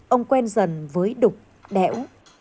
ông quen dần với đục đẽo